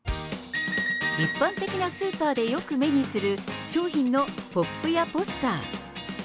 一般的なスーパーでよく目にする、商品のポップやポスター。